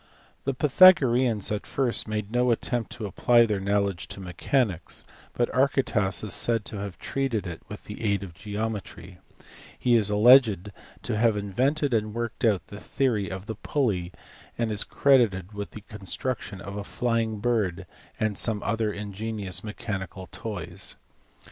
The Pythagoreans at first made no attempt to apply their knowledge to mechanics, but Archytas is said to have treated it with the aid of geometry : he is alleged to have invented and worked out the theory of the pulley, and is credited with the construction of a flying bird and some other ingenious mechanical toys.